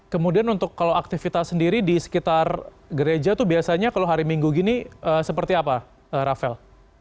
kemudian untuk kalau aktivitas sendiri di sekitar gereja itu biasanya kalau hari minggu gini seperti apa rafael